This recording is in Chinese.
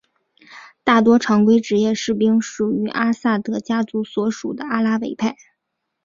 大多常规职业士兵属于阿萨德家族所属的阿拉维派。